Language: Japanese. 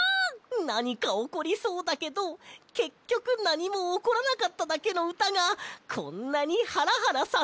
なにかおこりそうだけどけっきょくなにもおこらなかっただけのうたがこんなにハラハラさせるなんて！